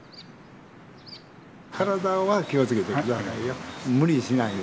体は気をつけて下さいよ。